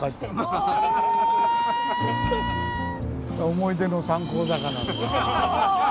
思い出の三光坂なんだ。